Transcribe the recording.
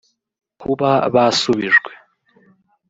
Kuba basubijwe